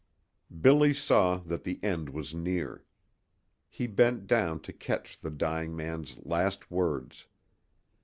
Billy saw that the end was near. He bent down to catch the dying man's last words.